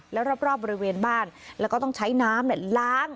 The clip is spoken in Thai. แล้วรอบบริเวณบ้านแล้วก็ต้องใช้น้ำล้าง